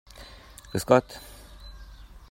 Grüß Gott!